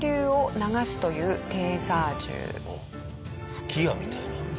吹き矢みたいな。